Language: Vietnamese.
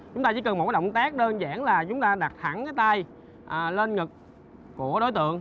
chúng ta chỉ cần một động tác đơn giản là chúng ta đặt thẳng cái tay lên ngực của đối tượng